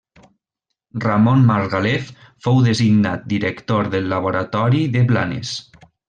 Ramon Margalef fou designat director del laboratori de Blanes.